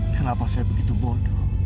kenapa saya begitu bodoh